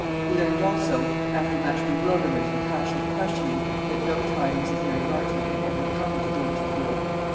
He learned also, after much bewilderment and passionate questioning, that no tidings of Mary Marchmont had ever come to Dangerfield.